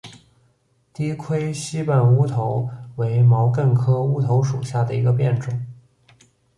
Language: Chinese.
低盔膝瓣乌头为毛茛科乌头属下的一个变种。